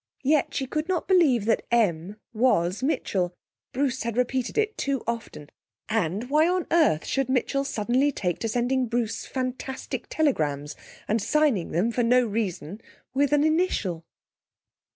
Yet she could not believe that 'M' was Mitchell. Bruce had repeated it too often; and, why on earth should Mitchell suddenly take to sending Bruce fantastic telegrams and signing them, for no reason, with an initial?...